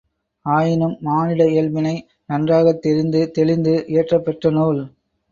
ஆயினும் மானிட இயல்பினை நன்றாகத் தெரிந்து, தெளிந்து இயற்றப்பெற்ற நூல்.